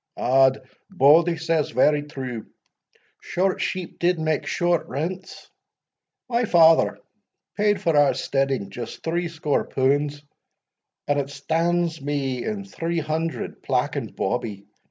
"Odd, Bauldie says very true, short sheep did make short rents my father paid for our steading just threescore punds, and it stands me in three hundred, plack and bawbee.